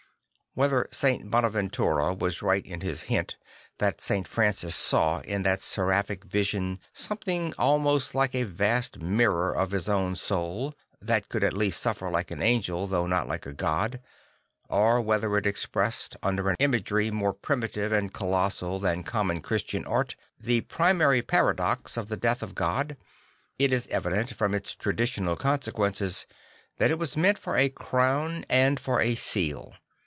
Whether St. Bonaventura was right in his hint that St. Francis saw in that seraphic vision something almost like a vast mirror of his own soul, that could at least suffer like an angel though not like a god, or whether it expressed under an imagery more primitive and colossal than com mon Christian art the primary paradox of the death of God, it is evident from its traditional consequences that it was meant for a crown and for a seal.